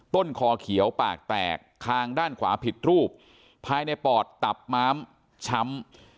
ต้นคอเขียวปากแตกคางด้านขวาผิดรูปภายในปอดตับม้ามช้ำ